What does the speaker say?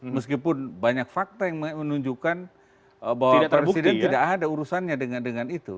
meskipun banyak fakta yang menunjukkan bahwa presiden tidak ada urusannya dengan itu